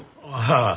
ああ。